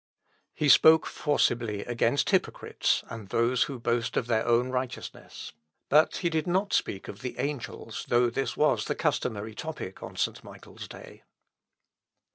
He spoke forcibly against hypocrites, and those who boast of their own righteousness; but he did not speak of the angels, though this was the customary topic on St. Michael's day.